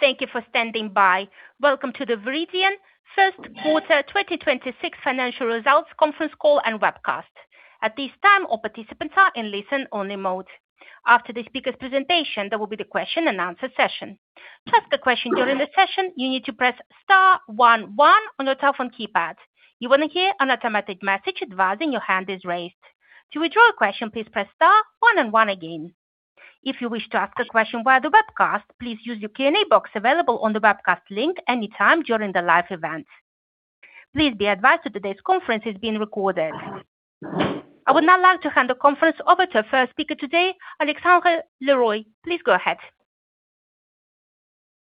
Thank you for standing by. Welcome to the Viridien first quarter 2026 financial results conference call and webcast. At this time, all participants are in listen only mode. After the speaker's presentation, there will be the question-and-answer session. To ask a question during the session, you need to press star one one on your telephone keypad. You will hear an automatic message advising your hand is raised. To withdraw a question, please press star one and one again. If you wish to ask a question via the webcast, please use your Q and A box available on the webcast link any time during the live event. Please be advised that today's conference is being recorded. I would now like to hand the conference over to our first speaker today, Alexandre Leroy. Please go ahead.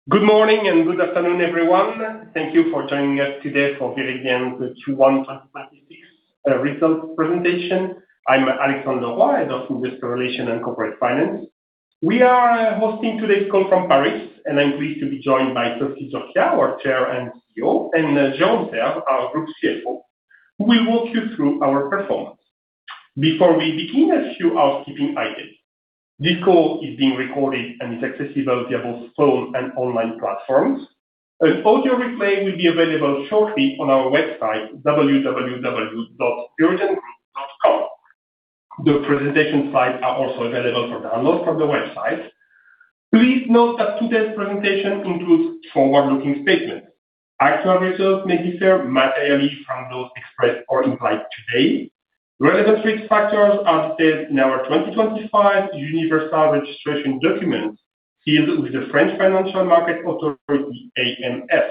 Good morning and good afternoon, everyone. Thank You for joining us today for Viridien's Q1 2026 results presentation. I'm Alexandre Leroy, Head of Investor Relations and Corporate Finance. We are hosting today's call from Paris, and I'm pleased to be joined by Sophie Zurquiyah, our Chair and CEO, and Jérôme Serve, our Group CFO, who will walk you through our performance. Before we begin, a few housekeeping items. This call is being recorded and is accessible via both phone and online platforms. An audio replay will be available shortly on our website, www.viridiengroup.com. The presentation slides are also available for download from the website. Please note that today's presentation includes forward-looking statements. Actual results may differ materially from those expressed or implied today. Relevant risk factors are detailed in our 2025 universal registration document filed with the French Financial Market Authority, AMF.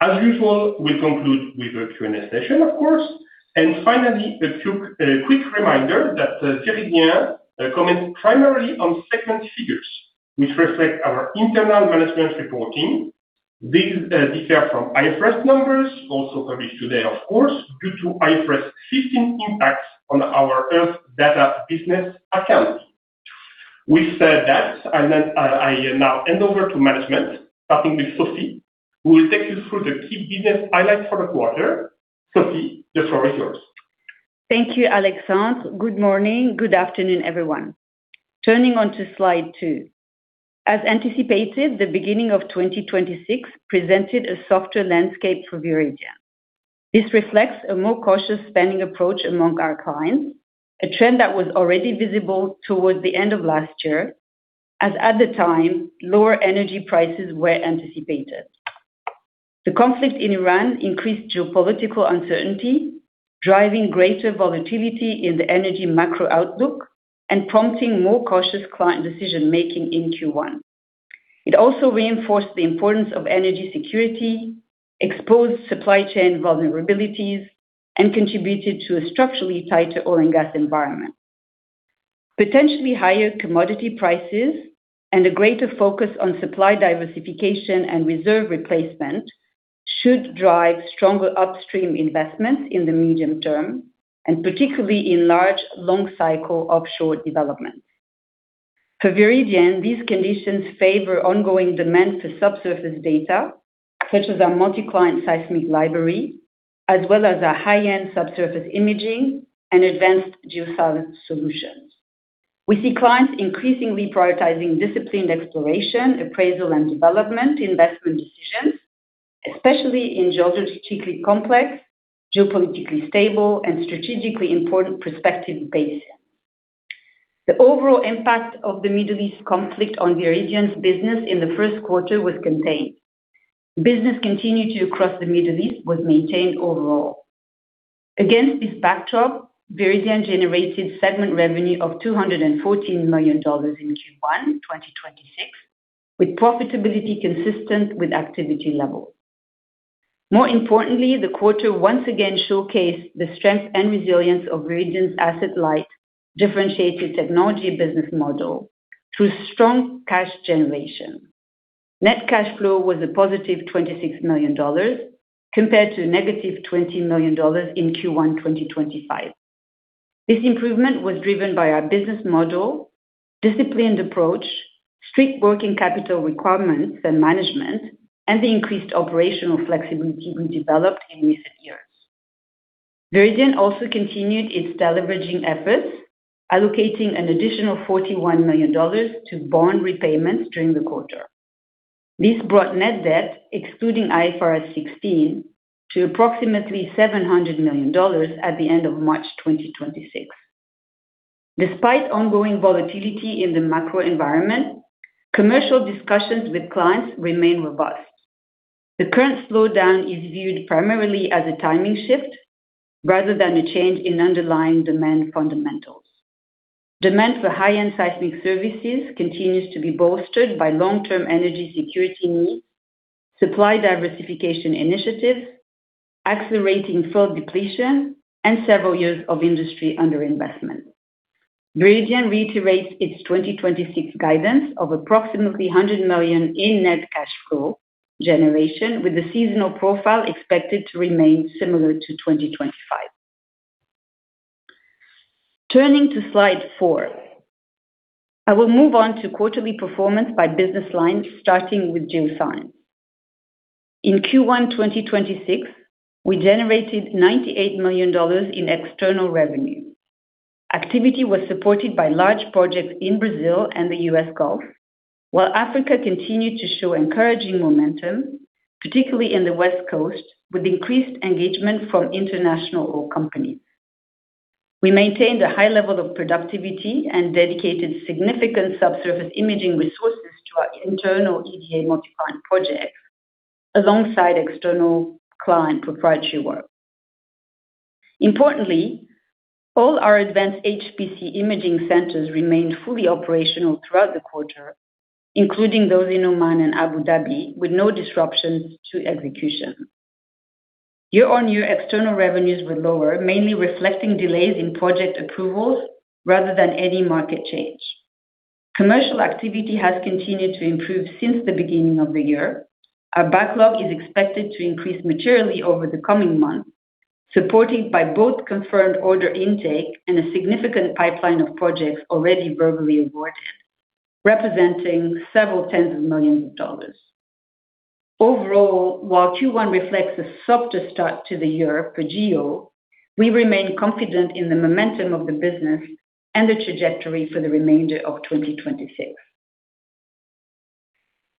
As usual, we conclude with a Q and A session, of course. Finally, a few quick reminder that Viridien comment primarily on segment figures which reflect our internal management reporting. These differ from IFRS numbers also published today of course, due to IFRS 15 impacts on our Earth Data business accounts. With that, I now hand over to management, starting with Sophie, who will take you through the key business highlights for the quarter. Sophie, the floor is yours. Thank you, Alexandre. Good morning. Good afternoon, everyone. Turning on to slide two. As anticipated, the beginning of 2026 presented a softer landscape for Viridien. This reflects a more cautious spending approach among our clients, a trend that was already visible towards the end of last year, as at the time, lower energy prices were anticipated. The conflict in Iran increased geopolitical uncertainty, driving greater volatility in the energy macro outlook and prompting more cautious client decision-making in Q1. It also reinforced the importance of energy security, exposed supply chain vulnerabilities, and contributed to a structurally tighter oil and gas environment. Potentially higher commodity prices and a greater focus on supply diversification and reserve replacement should drive stronger upstream investments in the medium term, and particularly in large, long cycle offshore developments. For Viridien, these conditions favor ongoing demand for subsurface data, such as our multi-client seismic library, as well as our high-end subsurface imaging and advanced Geoscience Solutions. We see clients increasingly prioritizing disciplined exploration, appraisal, and development investment decisions, especially in geologically complex, geopolitically stable, and strategically important prospective basins. The overall impact of the Middle East conflict on Viridien's business in the first quarter was contained. Business continued across the Middle East was maintained overall. Against this backdrop, Viridien generated segment revenue of $214 million in Q1 2026, with profitability consistent with activity level. More importantly, the quarter once again showcased the strength and resilience of Viridien's asset-light, differentiated technology business model through strong cash generation. Net cash flow was a positive $26 million compared to negative $20 million in Q1 2025. This improvement was driven by our business model, disciplined approach, strict working capital requirements and management, and the increased operational flexibility we developed in recent years. Viridien also continued its deleveraging efforts, allocating an additional $41 million to bond repayments during the quarter. This brought net debt, excluding IFRS 16, to approximately $700 million at the end of March 2026. Despite ongoing volatility in the macro environment, commercial discussions with clients remain robust. The current slowdown is viewed primarily as a timing shift rather than a change in underlying demand fundamentals. Demand for high-end seismic services continues to be bolstered by long-term energy security needs, supply diversification initiatives, accelerating field depletion, and several years of industry underinvestment. Viridien reiterates its 2026 guidance of approximately 100 million in net cash flow generation, with the seasonal profile expected to remain similar to 2025. Turning to slide four. I will move on to quarterly performance by business line, starting with Geoscience. In Q1 2026, we generated $98 million in external revenue. Activity was supported by large projects in Brazil and the U.S. Gulf, while Africa continued to show encouraging momentum, particularly in the West Coast, with increased engagement from international oil companies. We maintained a high level of productivity and dedicated significant subsurface imaging resources to our internal EDA multi-client projects alongside external client proprietary work. Importantly, all our advanced HPC imaging centers remained fully operational throughout the quarter, including those in Oman and Abu Dhabi, with no disruptions to execution. Year-on-year external revenues were lower, mainly reflecting delays in project approvals rather than any market change. Commercial activity has continued to improve since the beginning of the year. Our backlog is expected to increase materially over the coming months, supported by both confirmed order intake and a significant pipeline of projects already verbally awarded, representing several tens of millions of dollars. Overall while Q1 reflects a softer start to the year for geo, we remain confident in the momentum of the business and the trajectory for the remainder of 2026.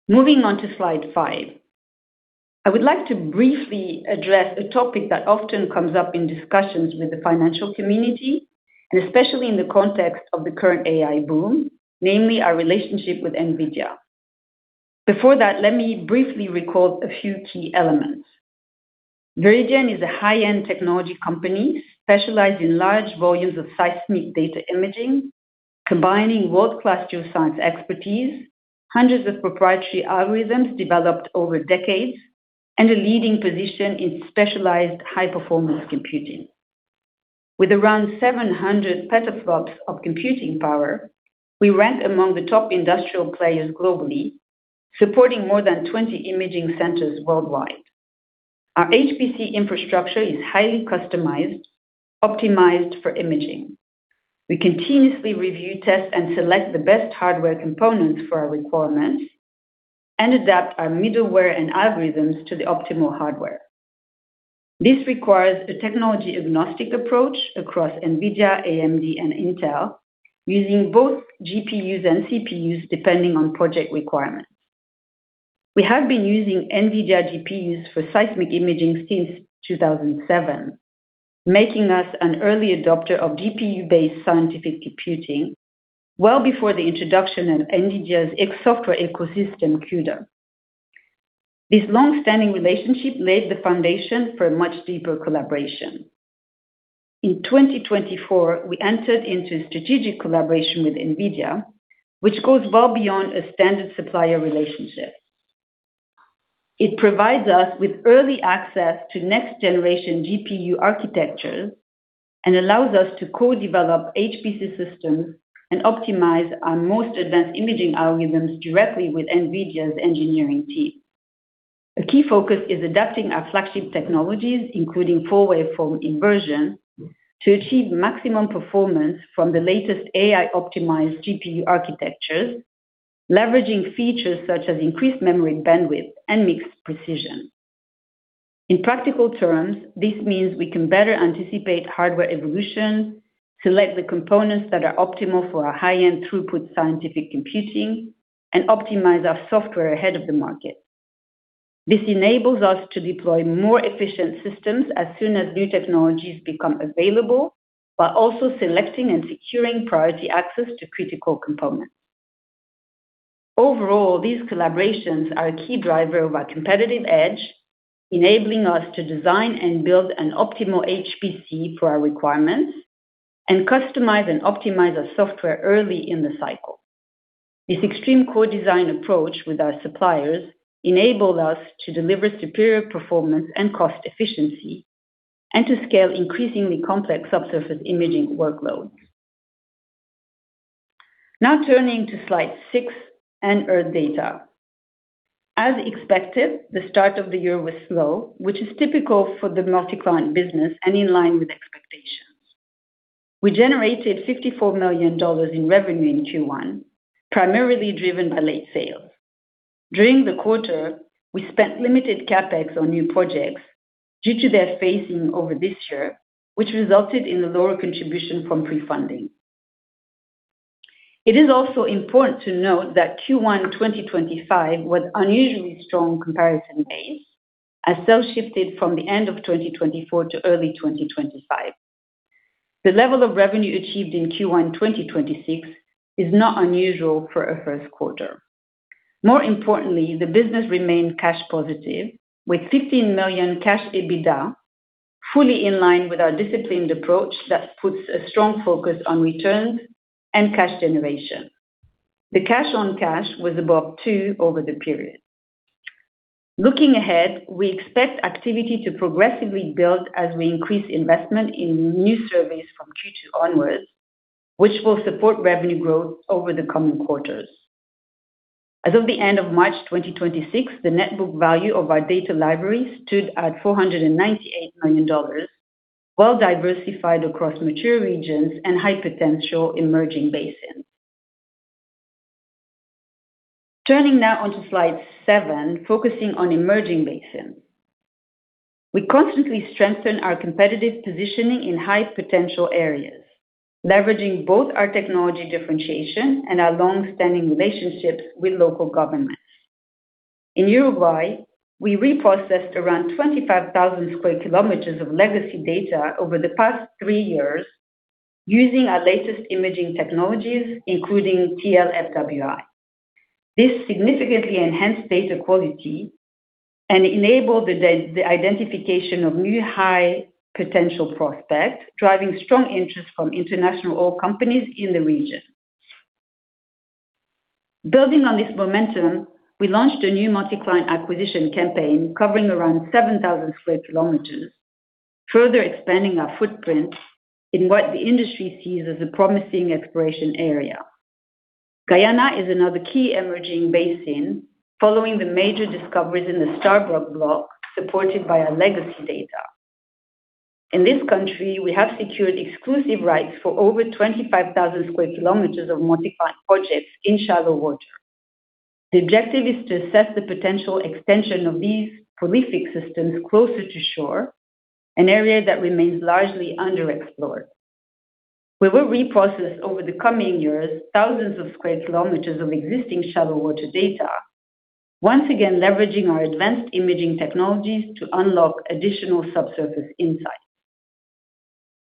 Moving on to slide five. I would like to briefly address a topic that often comes up in discussions with the financial community, and especially in the context of the current AI boom, namely our relationship with NVIDIA. Before that, let me briefly recall a few key elements. Viridien is a high-end technology company specialized in large volumes of seismic data imaging, combining world-class Geoscience expertise, hundreds of proprietary algorithms developed over decades, and a leading position in specialized high-performance computing. With around 700 petaflops of computing power, we rank among the top industrial players globally, supporting more than 20 imaging centers worldwide. Our HPC infrastructure is highly customized, optimized for imaging. We continuously review, test, and select the best hardware components for our requirements and adapt our middleware and algorithms to the optimal hardware. This requires a technology-agnostic approach across NVIDIA, AMD, and Intel using both GPUs and CPUs depending on project requirements. We have been using NVIDIA GPUs for seismic imaging since 2007, making us an early adopter of GPU-based scientific computing well before the introduction of NVIDIA's software ecosystem, CUDA. This long-standing relationship laid the foundation for a much deeper collaboration. In 2024, we entered into a strategic collaboration with NVIDIA, which goes well beyond a standard supplier relationship. It provides us with early access to next-generation GPU architectures and allows us to co-develop HPC systems and optimize our most advanced imaging algorithms directly with NVIDIA's engineering team. A key focus is adapting our flagship technologies, including full-waveform inversion, to achieve maximum performance from the latest AI-optimized GPU architectures, leveraging features such as increased memory bandwidth and mixed precision. In practical terms, this means we can better anticipate hardware evolution, select the components that are optimal for our high-end throughput scientific computing, and optimize our software ahead of the market. This enables us to deploy more efficient systems as soon as new technologies become available, while also selecting and securing priority access to critical components. Overall, these collaborations are a key driver of our competitive edge, enabling us to design and build an optimal HPC for our requirements and customize and optimize our software early in the cycle. This extreme co-design approach with our suppliers enabled us to deliver superior performance and cost efficiency and to scale increasingly complex subsurface imaging workloads. Now turning to slide six and Earth Data. As expected, the start of the year was slow, which is typical for the multi-client business and in line with expectations. We generated $54 million in revenue in Q1, primarily driven by late sales. During the quarter, we spent limited CapEx on new projects due to their phasing over this year, which resulted in a lower contribution from prefunding. It is also important to note that Q1 2025 was unusually strong comparison base as sales shifted from the end of 2024 to early 2025. The level of revenue achieved in Q1 2026 is not unusual for a first quarter. More importantly, the business remained cash positive with 15 million cash EBITDA, fully in line with our disciplined approach that puts a strong focus on returns and cash generation. The cash on cash was above two over the period. Looking ahead, we expect activity to progressively build as we increase investment in new surveys from Q2 onwards, which will support revenue growth over the coming quarters. As of the end of March 2026, the net book value of our data library stood at $498 million, well diversified across mature regions and high-potential emerging basins. Turning now on to slide seven, focusing on emerging basins. We constantly strengthen our competitive positioning in high potential areas, leveraging both our technology differentiation and our long-standing relationships with local governments. In Uruguay, we reprocessed around 25,000 square kilometers of legacy data over the past three years using our latest imaging technologies, including TL-FWI. This significantly enhanced data quality and enabled the identification of new high potential prospects, driving strong interest from international oil companies in the region. Building on this momentum, we launched a new multi-client acquisition campaign covering around 7,000 square kilometers, further expanding our footprint in what the industry sees as a promising exploration area. Guyana is another key emerging basin following the major discoveries in the Stabroek block, supported by our legacy data. In this country, we have secured exclusive rights for over 25,000 square kilometers of multi-client projects in shallow water. The objective is to assess the potential extension of these prolific systems closer to shore, an area that remains largely underexplored. We will reprocess over the coming years thousands of square kilometers of existing shallow water data, once again leveraging our advanced imaging technologies to unlock additional subsurface insights.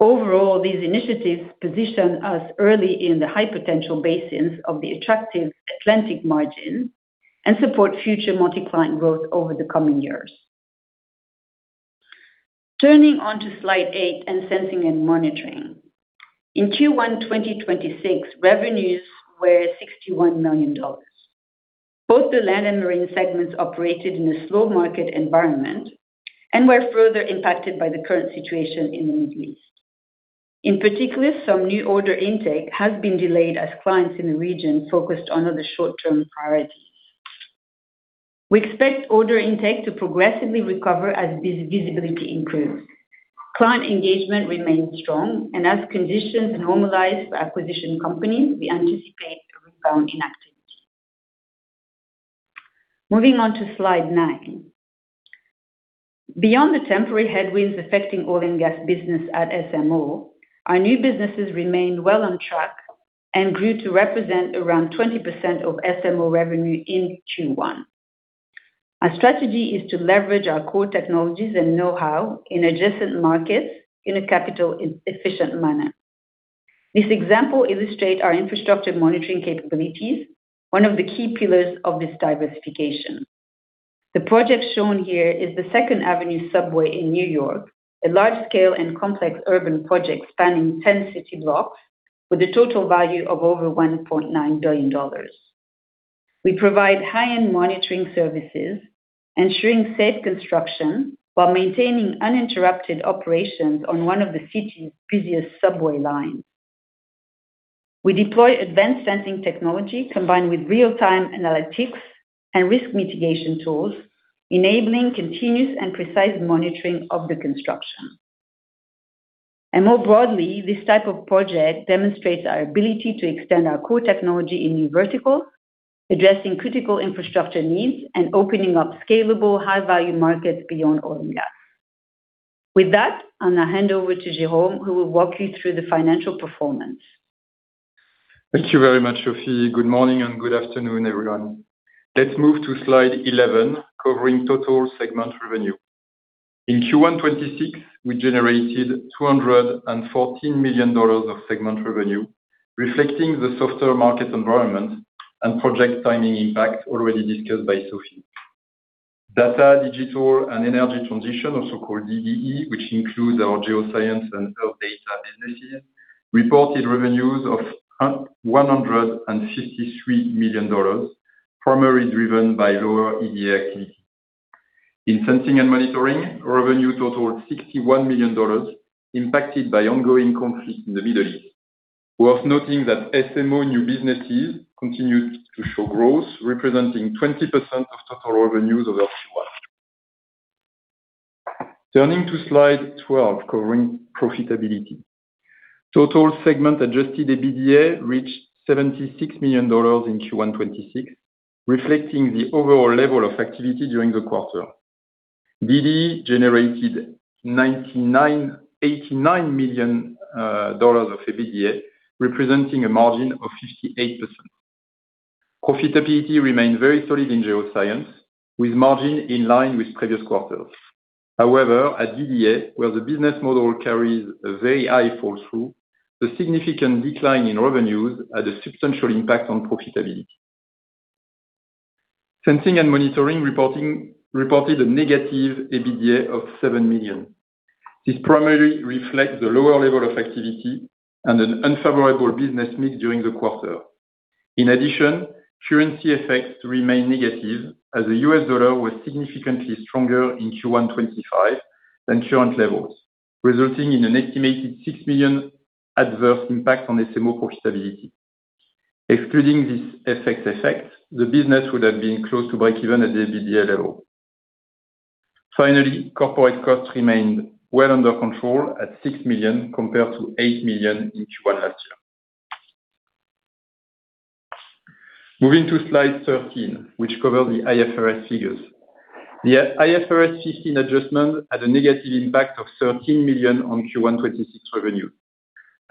Overall, these initiatives position us early in the high-potential basins of the attractive Atlantic Margin and support future multi-client growth over the coming years. Turning on to slide eight in Sensing and Monitoring. In Q1 2026, revenues were $61 million. Both the land and marine segments operated in a slow market environment and were further impacted by the current situation in the Middle East. In particular, some new order intake has been delayed as clients in the region focused on other short-term priorities. We expect order intake to progressively recover as visibility improves. Client engagement remains strong, and as conditions normalize for acquisition companies, we anticipate a rebound in activity. Moving on to slide nine. Beyond the temporary headwinds affecting oil and gas business at SMO, our new businesses remained well on track and grew to represent around 20% of SMO revenue in Q1. Our strategy is to leverage our core technologies and know-how in adjacent markets in a capital efficient manner. This example illustrate our infrastructure monitoring capabilities, one of the key pillars of this diversification. The project shown here is the Second Avenue Subway in New York, a large scale and complex urban project spanning 10 city blocks with a total value of over $1.9 billion. We provide high-end monitoring services, ensuring safe construction while maintaining uninterrupted operations on one of the city's busiest subway lines. We deploy advanced sensing technology combined with real-time analytics and risk mitigation tools, enabling continuous and precise monitoring of the construction. More broadly, this type of project demonstrates our ability to extend our core technology in new verticals, addressing critical infrastructure needs and opening up scalable high-value markets beyond oil and gas. That, I'm gonna hand over to Jérôme, who will walk you through the financial performance. Thank you very much, Sophie. Good morning and good afternoon, everyone. Let's move to slide 11, covering total segment revenue. In Q1 2026, we generated $214 million of segment revenue, reflecting the softer market environment and project timing impact already discussed by Sophie. Data, Digital, and Energy Transition, also called DDE, which includes our Geoscience and Earth Data businesses, reported revenues of $153 million, primarily driven by lower EDA activity. In Sensing and Monitoring, revenue totaled $61 million, impacted by ongoing conflict in the Middle East. Worth noting that SMO new businesses continued to show growth, representing 20% of total revenues over Q1. Turning to slide 12, covering profitability. Total segment Adjusted EBITDA reached $76 million in Q1 2026, reflecting the overall level of activity during the quarter. DDE generated $89 million of EBITDA, representing a margin of 58%. Profitability remained very solid in Geoscience, with margin in line with previous quarters. However, at DDE, where the business model carries a very high fall through, the significant decline in revenues had a substantial impact on profitability. Sensing and Monitoring reported a negative EBITDA of $7 million. This primarily reflects the lower level of activity and an unfavorable business mix during the quarter. In addition, currency effects remain negative as the U.S. dollar was significantly stronger in Q1 2025 than current levels, resulting in an estimated $6 million adverse impact on SMO profitability. Excluding this FX effect, the business would have been close to breakeven at the EBITDA level. Finally, corporate costs remained well under control at $6 million compared to $8 million in Q1 last year. Moving to slide 13, which cover the IFRS figures. The IFRS 15 adjustment had a negative impact of 13 million on Q1 2026 revenue.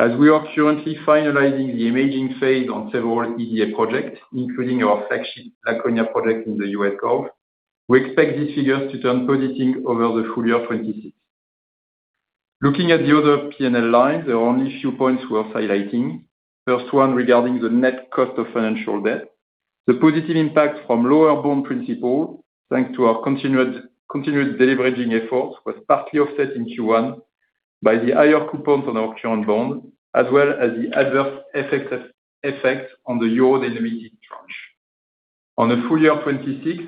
As we are currently finalizing the imaging phase on several Earth Data projects, including our flagship Laconia project in the U.S. Gulf, we expect these figures to turn positive over the full year 2026. Looking at the other P&L lines, there are only a few points worth highlighting. First one, regarding the net cost of financial debt. The positive impact from lower bond principal, thanks to our continued deleveraging efforts, was partly offset in Q1 by the higher coupons on our current bond, as well as the adverse effect on the euro-denominated tranche. The full year 2026,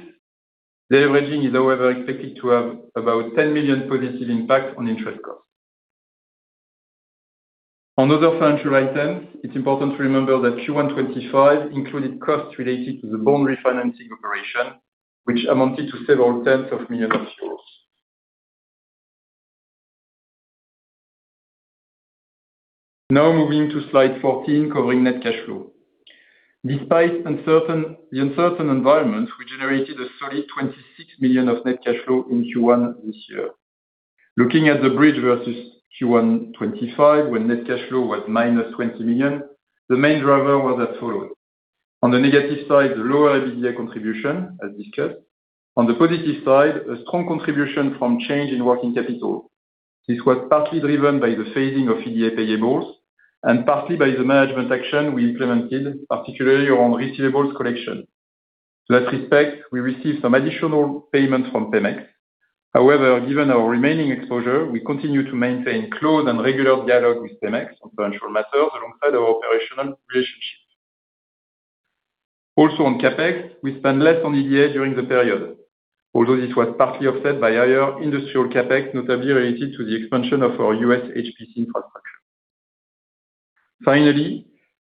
deleveraging is however expected to have about 10 million positive impact on interest costs. On other financial items, it's important to remember that Q1 2025 included costs related to the bond refinancing operation, which amounted to several tens of millions of Euros. Now moving to slide 14, covering net cash flow. Despite the uncertain environment, we generated a solid 26 million of net cash flow in Q1 this year. Looking at the bridge versus Q1 2025, when net cash flow was -20 million, the main driver was as follows. On the negative side, lower EBITDA contribution, as discussed. On the positive side, a strong contribution from change in working capital. This was partly driven by the phasing of EDA payables and partly by the management action we implemented, particularly around receivables collection. To that respect, we received some additional payments from Pemex. However, given our remaining exposure, we continue to maintain close and regular dialogue with Pemex on financial matters alongside our operational relationship. On CapEx, we spent less on EDA during the period, although this was partly offset by higher industrial CapEx, notably related to the expansion of our U.S. HPC infrastructure.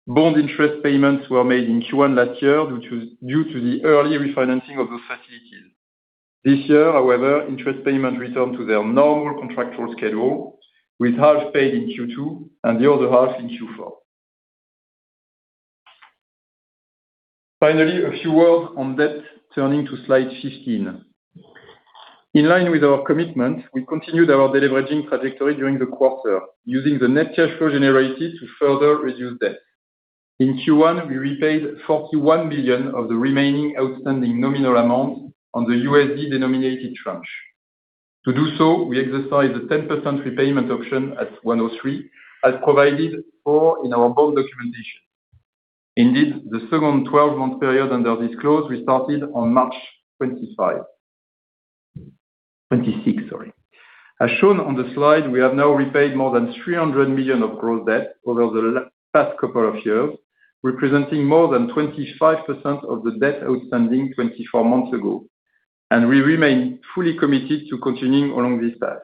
Bond interest payments were made in Q1 last year, which was due to the early refinancing of the facilities. This year, however, interest payments return to their normal contractual schedule, with half paid in Q2 and the other half in Q4. A few words on debt, turning to slide 15. In line with our commitment, we continued our deleveraging trajectory during the quarter, using the net cash flow generated to further reduce debt. In Q1, we repaid $41 million of the remaining outstanding nominal amount on the USD-denominated tranche. To do so, we exercised the 10% repayment option at 103, as provided for in our bond documentation. Indeed, the second 12-month period under this clause we started on March 25. 2026, sorry. As shown on the slide, we have now repaid more than 300 million of gross debt over the past couple of years, representing more than 25% of the debt outstanding 24 months ago. We remain fully committed to continuing along this path.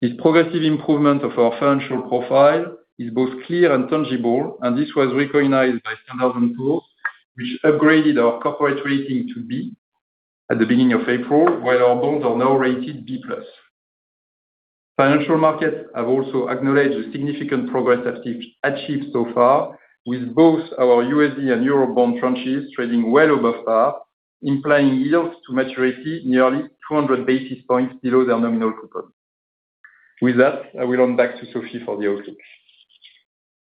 This progressive improvement of our financial profile is both clear and tangible. This was recognized by Standard & Poor's, which upgraded our corporate rating to B at the beginning of April, while our bonds are now rated B+. Financial markets have also acknowledged the significant progress that's achieved so far, with both our USD and euro bond tranches trading well above par, implying yields to maturity nearly 200 basis points below their nominal coupon. With that, I will hand back to Sophie for the outlook.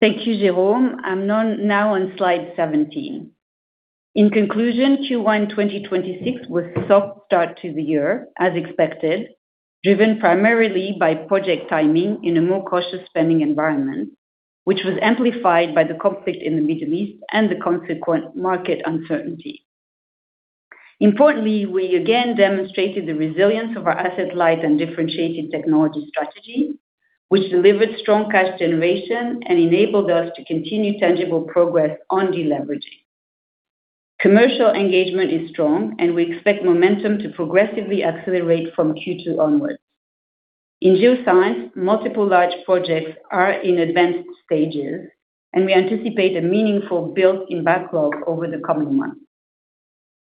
Thank you, Jérôme. I'm now on slide 17. In conclusion, Q1 2026 was a soft start to the year, as expected, driven primarily by project timing in a more cautious spending environment, which was amplified by the conflict in the Middle East and the consequent market uncertainty. Importantly, we again demonstrated the resilience of our asset-light and differentiated technology strategy, which delivered strong cash generation and enabled us to continue tangible progress on deleveraging. Commercial engagement is strong. We expect momentum to progressively accelerate from Q2 onwards. In Geoscience, multiple large projects are in advanced stages. We anticipate a meaningful built-in backlog over the coming months.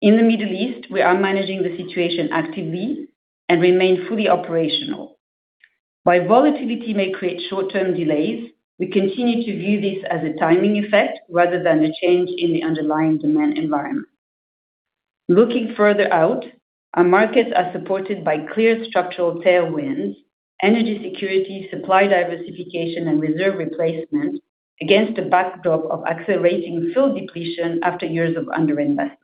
In the Middle East, we are managing the situation actively and remain fully operational. While volatility may create short-term delays, we continue to view this as a timing effect rather than a change in the underlying demand environment. Looking further out, our markets are supported by clear structural tailwinds, energy security, supply diversification, and reserve replacement against a backdrop of accelerating field depletion after years of underinvestment.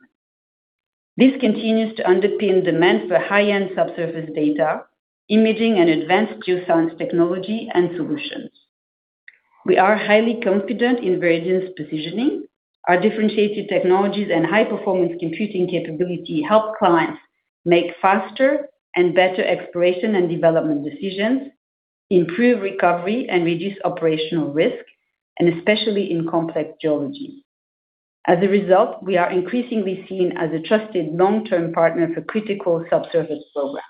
This continues to underpin demand for high-end subsurface data, imaging and advanced Geoscience technology and solutions. We are highly confident in Viridien's positioning. Our differentiated technologies and high-performance computing capability help clients make faster and better exploration and development decisions, improve recovery, and reduce operational risk, and especially in complex geology. As a result, we are increasingly seen as a trusted long-term partner for critical subsurface programs.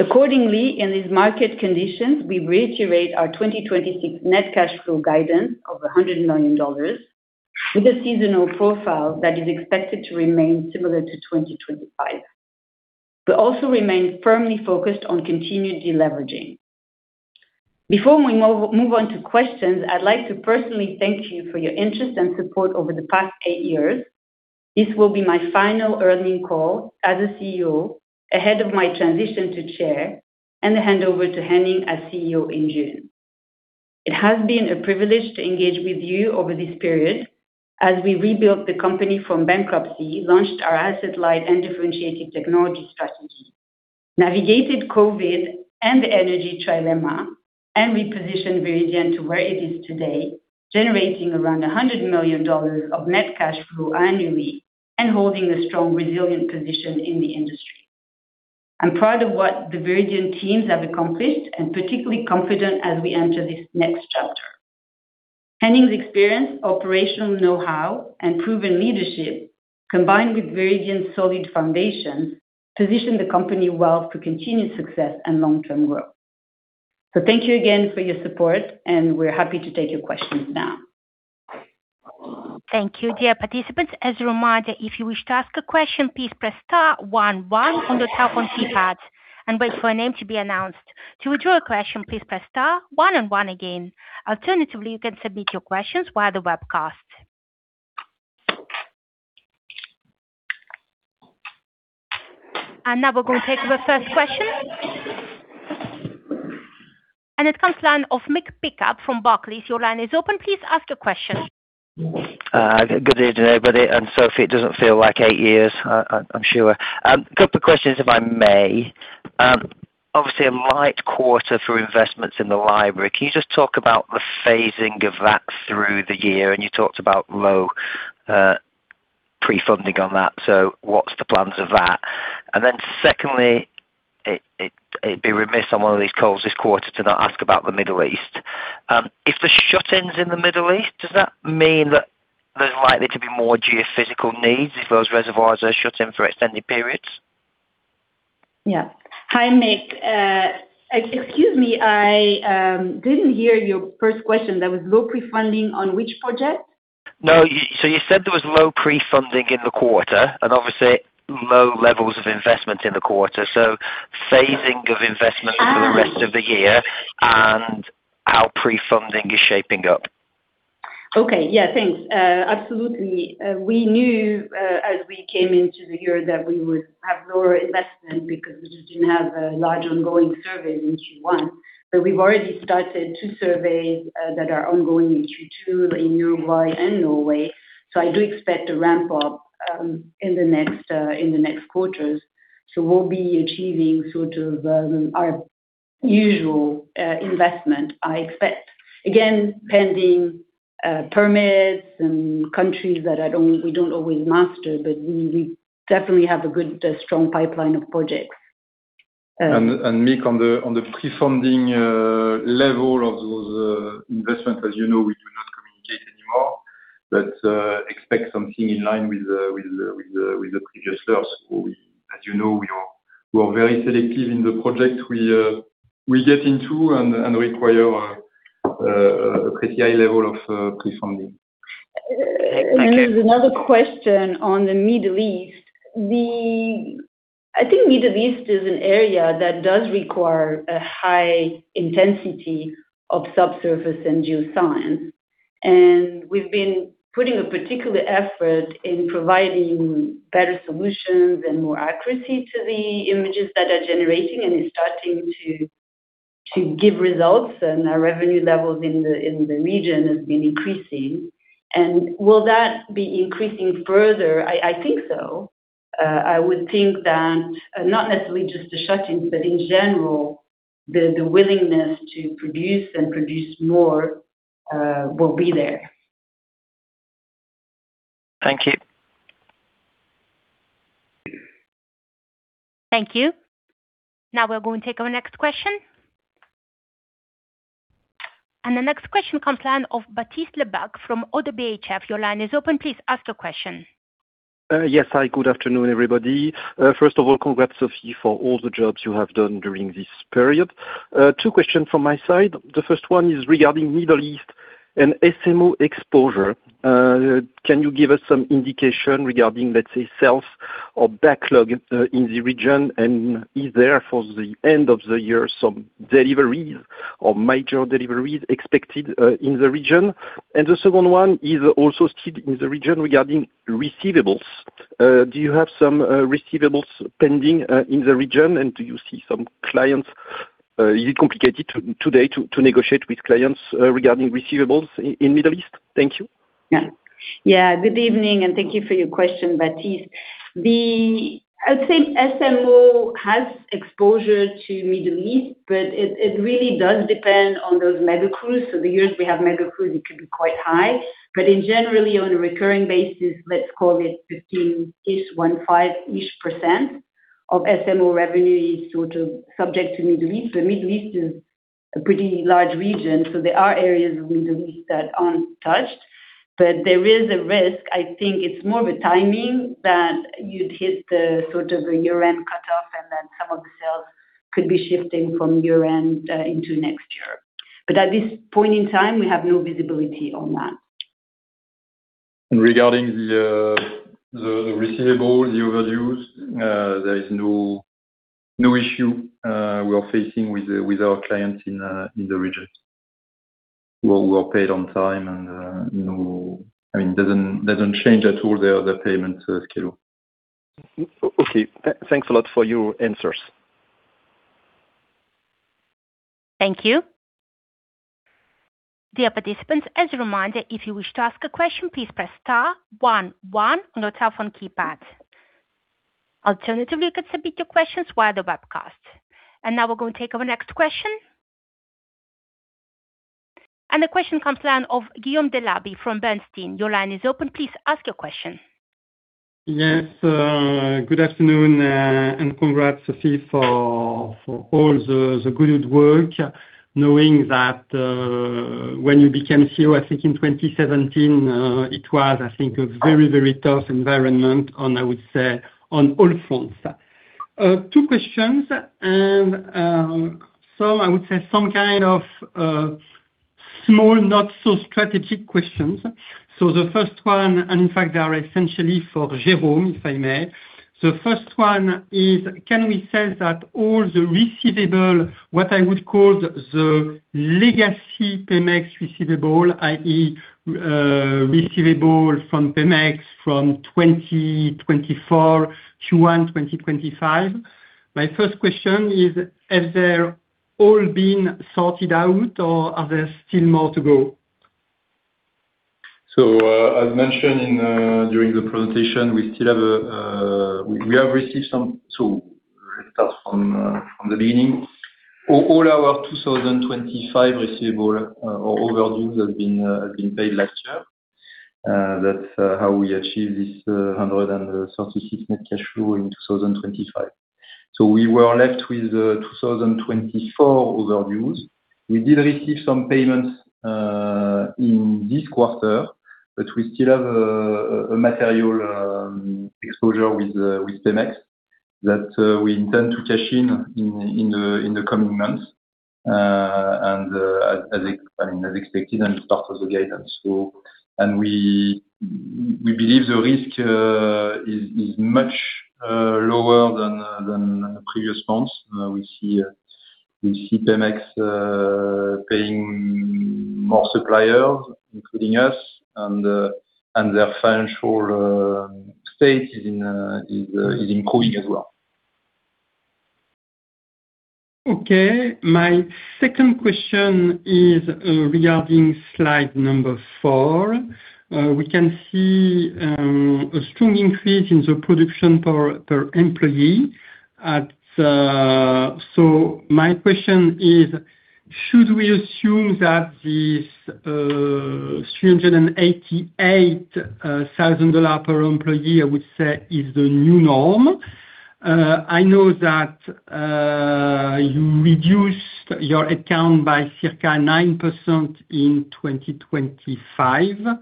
Accordingly, in these market conditions, we reiterate our 2026 net cash flow guidance of $100 million with a seasonal profile that is expected to remain similar to 2025, but also remain firmly focused on continued deleveraging. Before we move on to questions, I'd like to personally thank you for your interest and support over the past eight years. This will be my final earning call as a CEO ahead of my transition to Chair and the handover to Henning as CEO in June. It has been a privilege to engage with you over this period as we rebuilt the company from bankruptcy, launched our asset-light and differentiated technology strategy, navigated COVID and the energy trilemma, and repositioned Viridien to where it is today, generating around $100 million of net cash flow annually and holding a strong, resilient position in the industry. I'm proud of what the Viridien teams have accomplished, and particularly confident as we enter this next chapter. Henning's experience, operational know-how, and proven leadership, combined with Viridien's solid foundation, position the company well to continue success and long-term growth. Thank you again for your support, and we're happy to take your questions now. Thank you, dear participants. As a reminder, if you wish to ask a question, please press star one one on your telephone keypad and wait for a name to be announced. To withdraw your question, please press star one one again. Alternatively, you can submit your questions via the webcast. Now we're going to take the first question. It comes line of Mick Pickup from Barclays. Your line is open. Please ask your question. Good evening, everybody. And Sophie, it doesn't feel like eight years, I'm sure. Couple questions, if I may. Obviously a light quarter for investments in the library. Can you just talk about the phasing of that through the year? You talked about low, pre-funding on that. What's the plans of that? Secondly, it'd be remiss on one of these calls this quarter to not ask about the Middle East. If the shut-ins in the Middle East, does that mean that there's likely to be more geophysical needs if those reservoirs are shut-in for extended periods? Yeah. Hi, Mick. excuse me, I didn't hear your first question. There was low pre-funding on which project? No. You said there was low pre-funding in the quarter and obviously low levels of investment in the quarter. Phasing of investments for the rest of the year and how pre-funding is shaping up. Okay. Yeah, thanks. Absolutely. We knew as we came into the year that we would have lower investment because we just didn't have a large ongoing survey in Q1. We've already started two surveys that are ongoing in Q2 in Uruguay and Norway. I do expect a ramp up in the next quarters. We'll be achieving sort of our usual investment, I expect. Again, pending permits and countries that we don't always master, but we definitely have a good, strong pipeline of projects. Mick on the pre-funding level of those investments, as you know, we do not communicate anymore, but expect something in line with the previous years. As you know, we are very selective in the project we get into and require a pretty high level of pre-funding. Mick, there's another question on the Middle East. I think Middle East is an area that does require a high intensity of subsurface and Geoscience. We've been putting a particular effort in providing better solutions and more accuracy to the images that are generating and is starting to give results, and our revenue levels in the region has been increasing. Will that be increasing further? I think so. I would think that not necessarily just the shut-ins, but in general, the willingness to produce and produce more will be there. Thank you. Thank you. Now we're going to take our next question. The next question comes line of Baptiste Lebacq from ODDO BHF. Your line is open. Please ask your question. Yes. Hi, good afternoon, everybody. First of all, congrats, Sophie, for all the jobs you have done during this period. Two questions from my side. The first one is regarding Middle East and SMO exposure. Can you give us some indication regarding, let's say, sales or backlog in the region? Is there for the end of the year some deliveries or major deliveries expected in the region? The second one is also still in the region regarding receivables. Do you have some receivables pending in the region? Is it complicated today to negotiate with clients regarding receivables in Middle East? Thank you. Good evening, thank you for your question, Baptiste. I'd say SMO has exposure to Middle East, but it really does depend on those mega crews. In generally, on a recurring basis, let's call it 15-ish% of SMO revenue is sort of subject to Middle East. The Middle East is a pretty large region, there are areas of Middle East that aren't touched. There is a risk. I think it's more of a timing that you'd hit the sort of the year-end cutoff some of the sales could be shifting from year-end into next year. At this point in time, we have no visibility on that. Regarding the receivables, the overdues, there is no issue we are facing with our clients in the region. We are paid on time and, you know, I mean, it doesn't change at all their payment schedule. Okay. Thanks a lot for your answers. Thank you. Dear participants, as a reminder, if you wish to ask a question, please press star one one on your telephone keypad. Alternatively, you can submit your questions via the webcast. Now we're going to take our next question. The question comes line of Guillaume Delaby from Bernstein. Your line is open. Please ask your question. Yes. good afternoon, Congrats, Sophie, for all the good work, knowing that when you became CEO, I think in 2017, it was, I think, a very, very tough environment on, I would say, on all fronts. Two questions. I would say some kind of small, not so strategic questions. The first one, and in fact, they are essentially for Jérôme, if I may. The first one is, can we say that all the receivable, what I would call the legacy Pemex receivable, i.e., receivable from Pemex from 2024 to end 2025. My first question is, have they all been sorted out or are there still more to go? As mentioned in during the presentation, we have received some. Let's start from the beginning. All our 2025 receivable or overdues have been paid last year. That's how we achieved this 136 net cash flow in 2025. We were left with 2024 overdues. We did receive some payments in this quarter, but we still have a material exposure with Pemex that we intend to cash in in the coming months. I mean, as expected and as part of the guidance. We believe the risk is much lower than previous months. We see Pemex paying more suppliers, including us, and their financial state is in, is improving as well. Okay. My second question is, regarding slide number four. We can see a strong increase in the production per employee. My question is, should we assume that this $388,000 per employee, I would say, is the new norm? I know that you reduced your headcount by circa 9% in 2025.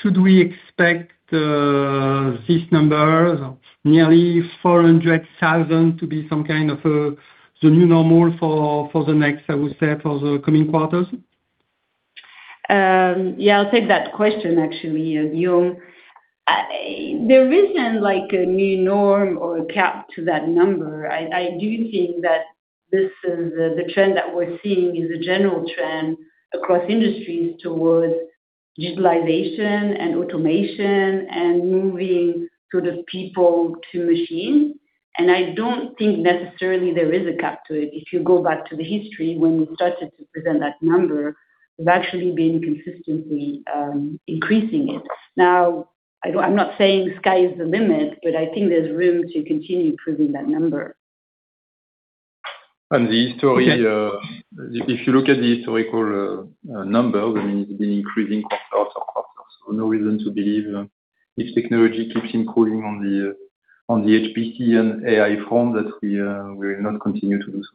Should we expect this number, nearly $400,000 to be some kind of the new normal for the coming quarters? Yeah, I'll take that question actually, Guillaume. There isn't like a new norm or a cap to that number. I do think that this is the trend that we're seeing is a general trend across industries towards digitalization and automation and moving sort of people to machine. I don't think necessarily there is a cap to it. If you go back to the history when we started to present that number, we've actually been consistently increasing it. Now, I'm not saying sky is the limit, but I think there's room to continue improving that number. The history, if you look at the historical number, I mean, it's been increasing quarter after quarter. No reason to believe if technology keeps improving on the HPC and AI front that we will not continue to do so.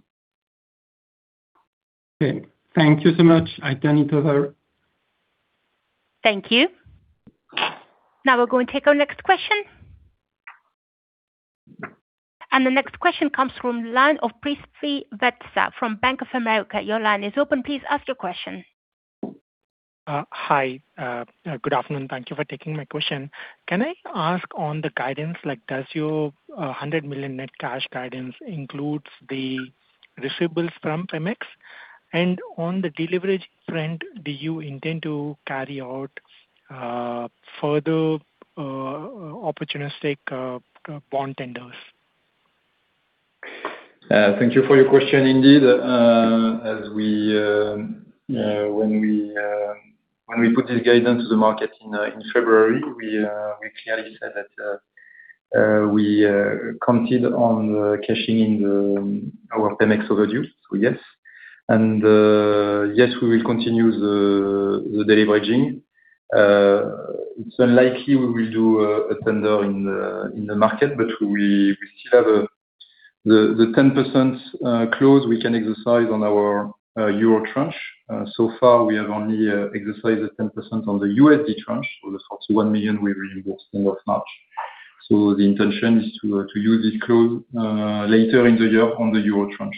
Okay. Thank you so much. I turn it over. Thank you. Now we're going to take our next question. The next question comes from line of Prithvi Vetsa from Bank of America. Your line is open. Please ask your question. Hi. Good afternoon. Thank you for taking my question. Can I ask on the guidance, like, does your 100 million net cash guidance includes the receivables from Pemex? On the deleverage front, do you intend to carry out further opportunistic bond tenders? Thank you for your question indeed. As we, when we put this guidance to the market in February, we clearly said that we counted on cashing in our Pemex overdue. Yes. Yes, we will continue the deleveraging. It's unlikely we will do a tender in the market, but we still have the 10% clause we can exercise on our euro tranche. So far, we have only exercised the 10% on the USD tranche. The $41 million we reimbursed in March. The intention is to use this clause later in the year on the euro tranche.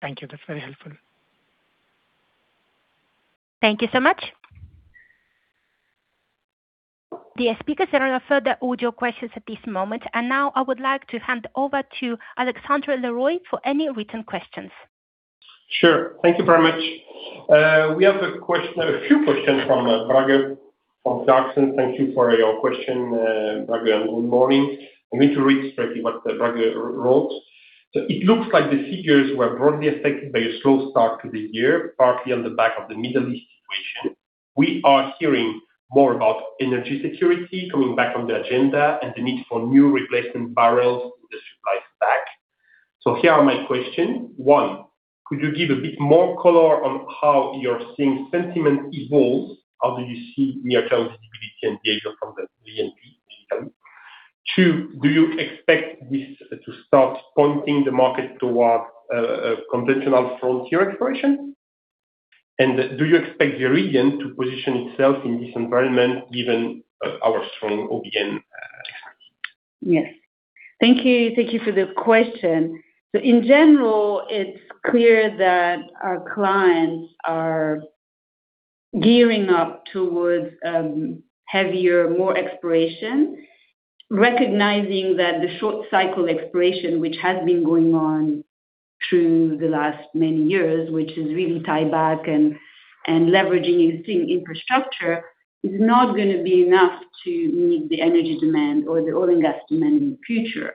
Thank you. That's very helpful. Thank you so much. Dear speakers, there are no further audio questions at this moment. Now I would like to hand over to Alexandre Leroy for any written questions. Sure. Thank you very much. We have a few questions from Braga from Clarksons. Thank you for your question, Braga, and good morning. I'm going to read exactly what Braga wrote. It looks like the figures were broadly affected by a slow start to the year, partly on the back of the Middle East situation. We are hearing more about energy security coming back on the agenda and the need for new replacement barrels in the supply stack. Here are my questions. One, could you give a bit more color on how you're seeing sentiment evolve? How do you see near-term visibility and behavior from the E&P detail? Two, do you expect this to start pointing the market towards a conventional frontier exploration? Do you expect the region to position itself in this environment, given our strong OBN capacity? Yes. Thank you. Thank you for the question. In general, it's clear that our clients are gearing up towards heavier, more exploration, recognizing that the short cycle exploration, which has been going on through the last many years, which is really tie back and leveraging existing infrastructure, is not going to be enough to meet the energy demand or the oil and gas demand in the future.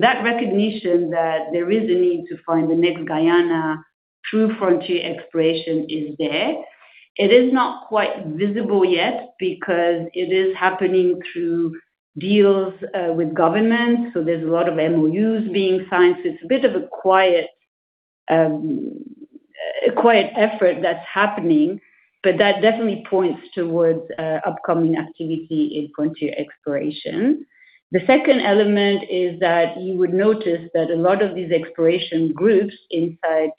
That recognition that there is a need to find the next Guyana through frontier exploration is there. It is not quite visible yet because it is happening through deals with government. There's a lot of MOUs being signed. It's a bit of a quiet, a quiet effort that's happening, but that definitely points towards upcoming activity in frontier exploration. The second element is that you would notice that a lot of these exploration groups inside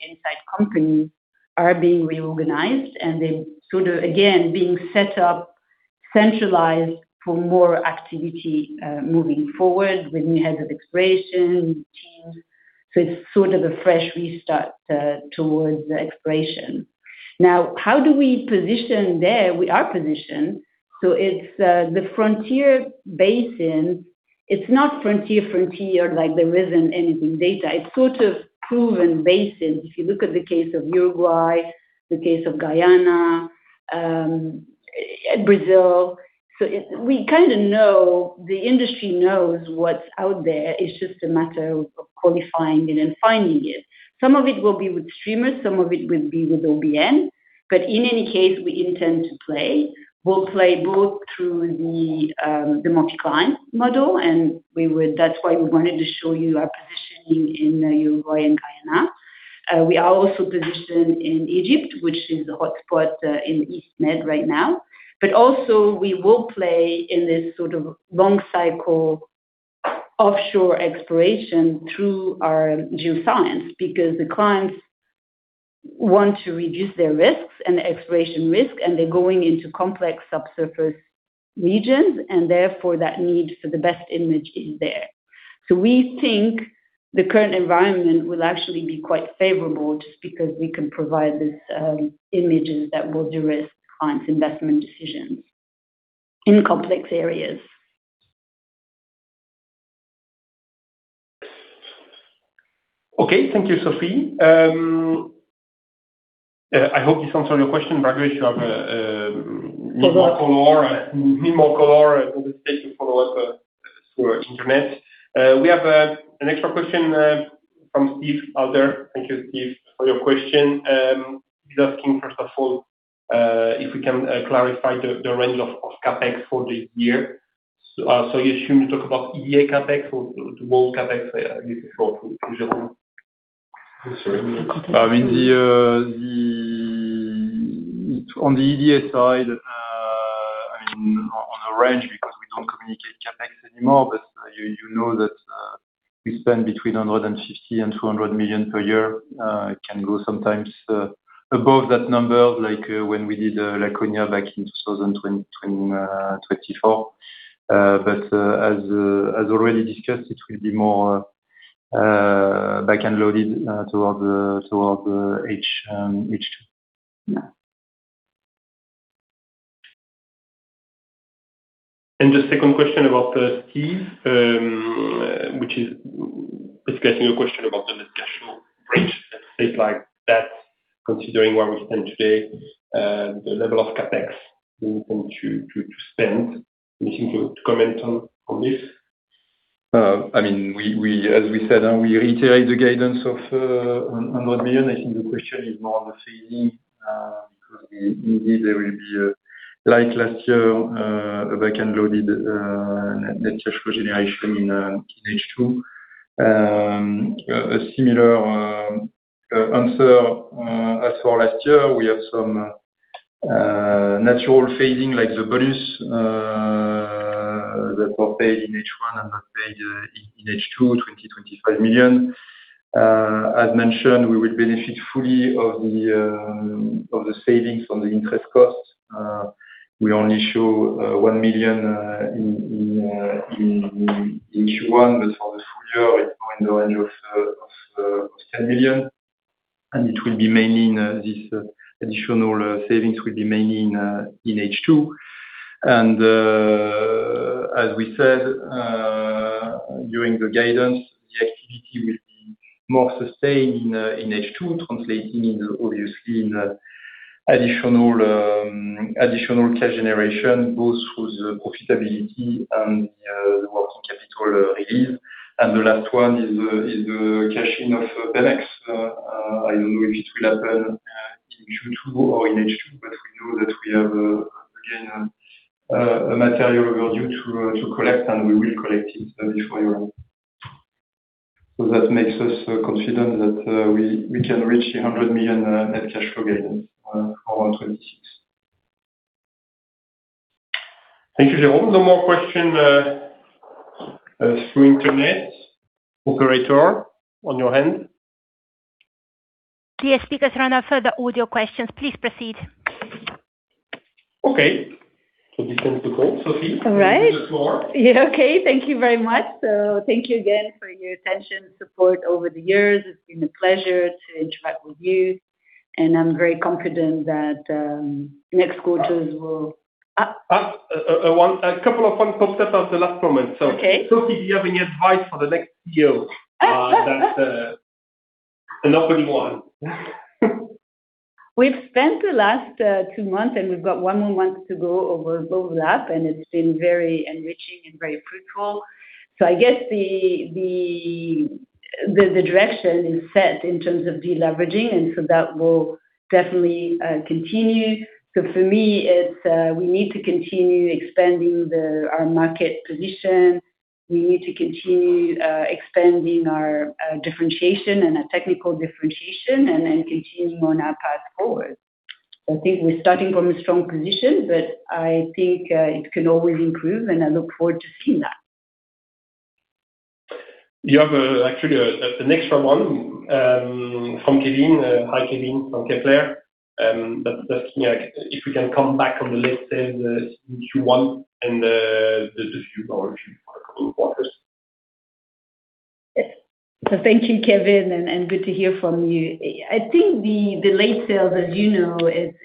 companies are being reorganized, and they're sort of, again, being set up centralized for more activity moving forward with new heads of exploration teams. It's sort of a fresh restart towards the exploration. How do we position there? We are positioned. It's, the frontier basin. It's not frontier, like there isn't anything data. It's sort of proven basin. If you look at the case of Uruguay, the case of Guyana, Brazil. We kinda know, the industry knows what's out there. It's just a matter of qualifying it and finding it. Some of it will be with streamers, some of it will be with OBN. In any case, we intend to play. We'll play both through the multi-client model. That's why we wanted to show you our positioning in Uruguay and Guyana. We are also positioned in Egypt, which is the hotspot in East Med right now. Also we will play in this sort of long cycle offshore exploration through our Geoscience, because the clients want to reduce their risks and exploration risk, and they're going into complex subsurface regions, and therefore that need for the best image is there. We think the current environment will actually be quite favorable just because we can provide these images that will de-risk clients' investment decisions in complex areas. Okay. Thank you, Sophie. I hope this answered your question, Braga. If you have need more color, don't hesitate to follow up through internet. We have an extra question from Steve Alder. Thank you, Steve, for your question. He's asking, first of all, if we can clarify the range of CapEx for this year. You should talk about EDA CapEx or the whole CapEx you control usually. I mean, on the EDA side, on a range because we don't communicate CapEx anymore, but you know that we spend between 150 million and 200 million per year. It can go sometimes above that number, when we did Laconia back in 2024. As already discussed, it will be more backend loaded throughout the H2. Yeah. The second question about Steve, which is basically a question about the discussion rate, things like that, considering where we stand today, the level of CapEx we want to spend. Anything to comment on this? I mean, as we said, we reiterate the guidance of 100 million. I think the question is more on the phasing, because indeed there will be, like last year, a backend loaded, net cash flow generation in H2. A similar answer as for last year, we have some natural phasing, like the bonus that were paid in H1 and not paid in H2, 25 million. As mentioned, we will benefit fully of the savings from the interest costs. We only show 1 million in Q1. For the full year, it's more in the range of 10 million. This additional savings will be mainly in H2. As we said during the guidance, the activity will be more sustained in H2, translating into obviously in additional cash generation, both through the profitability and the working capital release. The last one is the cash in of Pemex. I don't know if it will happen in Q2 or in H2, but we know that we have again a material value to collect, and we will collect it in 2024. That makes us confident that we can reach 100 million net cash flow guidance for 2026. Thank you, Jérôme. No more question through internet. Operator, on your end? Yes, speakers. Run out further audio questions. Please proceed. Okay. This ends the call. Sophie. All right. You have any last more? Yeah. Okay. Thank you very much. Thank you again for your attention, support over the years. It's been a pleasure to interact with you, and I'm very confident that next quarters will. A couple of fun concepts as the last comment, Sophie. Okay. Sophie, do you have any advice for the next CEO, that, an opening one? We've spent the last two months, and we've got one more month to go over the lap, and it's been very enriching and very fruitful. I guess the direction is set in terms of deleveraging, and so that will definitely continue. For me, it's, we need to continue expanding our market position. We need to continue expanding our differentiation and our technical differentiation and then continuing on our path forward. I think we're starting from a strong position, but I think it can always improve, and I look forward to seeing that. You have, actually, an extra one, from Kevin. Hi, Kevin from Kepler. Just, you know, if we can come back on the late sales in Q1 and the future going forward quarters. Yes. Thank you, Kevin, and good to hear from you. I think the late sales, as you know, it's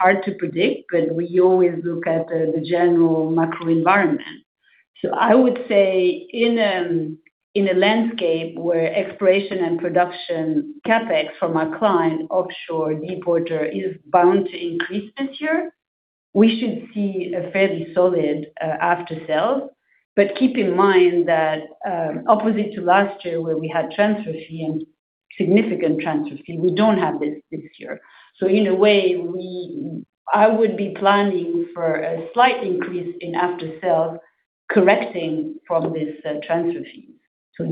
hard to predict, but we always look at the general macro environment. I would say in a landscape where exploration and production CapEx from our client offshore deepwater is bound to increase this year, we should see a fairly solid after-sales. Keep in mind that, opposite to last year, where we had transfer fee and significant transfer fee, we don't have this year. In a way, I would be planning for a slight increase in after-sales correcting from this transfer fee.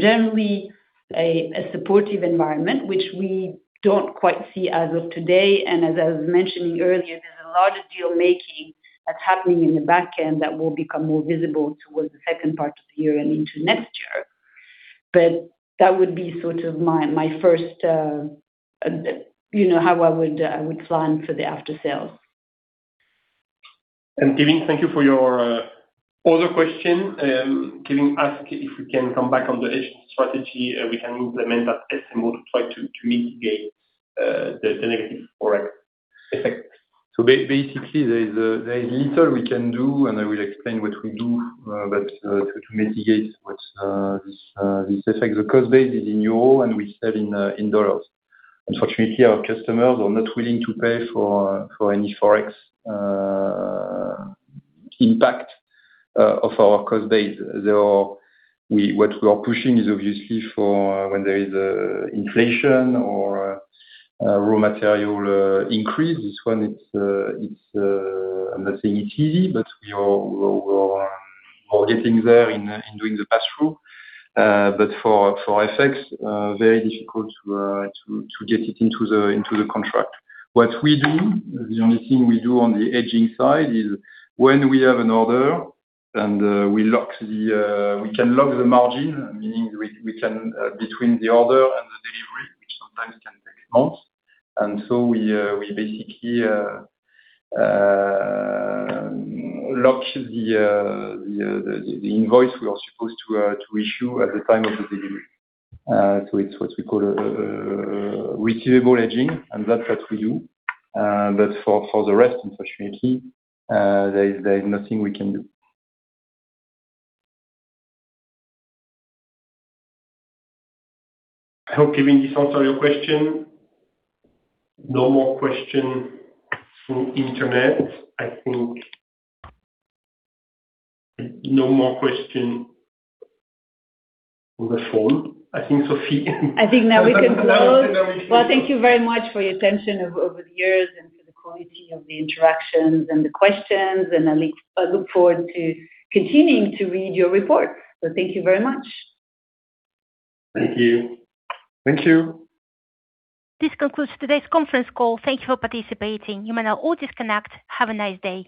Generally, a supportive environment which we don't quite see as of today. As I was mentioning earlier, there's a lot of deal-making that's happening in the back end that will become more visible towards the second part of the year and into next year. That would be sort of my first, you know, how I would plan for the after-sales. Kevin, thank you for your other question. Kevin asked if we can come back on the hedging strategy we can implement at SMO to try to mitigate the negative Forex effect. Basically, there's little we can do, and I will explain what we do, but to mitigate what this effect. The cost base is in euro, and we sell in dollars. Unfortunately, our customers are not willing to pay for any Forex impact of our cost base. What we are pushing is obviously for when there is inflation or raw material increase. This one, it's, I'm not saying it's easy, but we are, we're, we're getting there in doing the pass-through. But for Forex, very difficult to get it into the contract. What we do, the only thing we do on the hedging side is when we have an order, we lock the, we can lock the margin, meaning we can, between the order and the delivery, which sometimes can take months. We basically lock the invoice we are supposed to issue at the time of the delivery. It's what we call receivable hedging, and that's what we do. For the rest, unfortunately, there's nothing we can do. I hope, Kevin, this answered your question. No more question through internet. I think no more question on the phone. I think, Sophie. I think now we can close. Now we can- Well, thank you very much for your attention over the years and for the quality of the interactions and the questions. I look forward to continuing to read your report. Thank you very much. Thank you. Thank you. This concludes today's conference call. Thank you for participating. You may now all disconnect. Have a nice day.